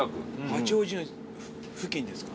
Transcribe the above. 八王子の付近ですか。